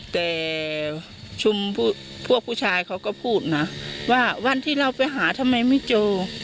แต่ชุมพวกผู้ชายเขาก็พูดนะว่าวันที่เราไปหาทำไมไม่เจอ